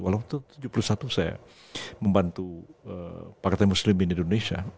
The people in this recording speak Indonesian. walaupun seribu sembilan ratus tujuh puluh satu saya membantu partai muslim di indonesia